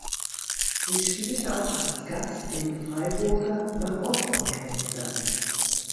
Sie spielte auch als Gast im Freiburger Barockorchester.